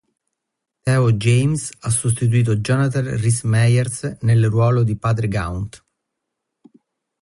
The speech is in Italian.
Theo James ha sostituito Jonathan Rhys Meyers nel ruolo di Padre Gaunt.